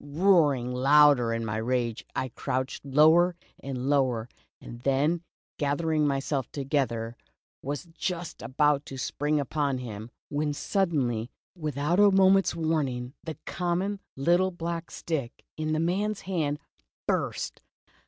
Roaring louder in my rage, I crouched lower and lower, and then gathering myself together, was just about to spring upon him, when suddenly, without a moment's warning, the common little black stick in the man's hand, burst!